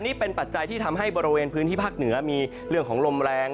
นี่เป็นปัจจัยที่ทำให้บริเวณพื้นที่ภาคเหนือมีเรื่องของลมแรง